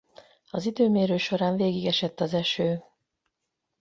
Az időmérő során végig esett az eső.